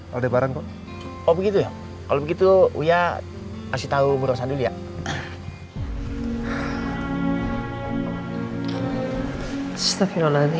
aldebaran kok begitu kalau begitu uya kasih tahu bro sandul ya oh begitu kalau begitu uya kasih tahu bro sandul ya